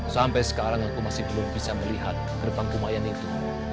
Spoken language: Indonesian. sampai sekarang aku masih belum bisa melihat gerbang kumayan itu